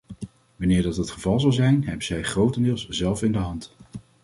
Wanneer dat het geval zal zijn, hebben zij grotendeels zelf in de hand.